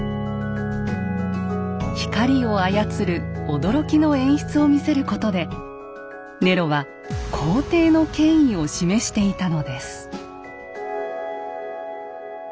光を操る驚きの演出を見せることでネロは皇帝の権威を示していたのです。